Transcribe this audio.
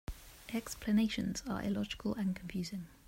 Explanations are illogical and confusing.